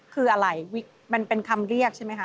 คืออะไรมันเป็นคำเรียกใช่ไหมคะ